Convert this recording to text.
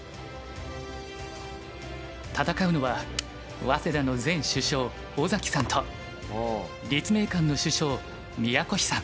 戦うのは早稲田の前主将尾崎さんと立命館の主将宮越さん。